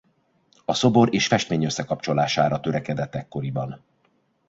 A szobor és festmény összekapcsolására törekedett ekkoriban.